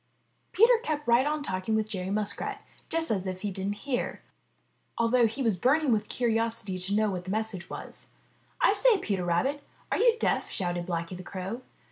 Peter kept right on talking with Jerry Muskrat, just as if he didn't hear, although he was burning 383 MY BOOK HOUSE with curiosity to know what the message was. '*I say, Peter Rabbit, are you deaf?'' shouted Blacky the Crow.